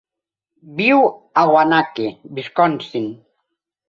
Viu a Waunakee, Wisconsin.